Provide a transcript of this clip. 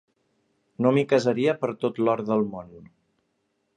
No m'hi casaria per tot l'or del món.